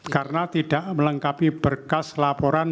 karena tidak melengkapi berkas laporan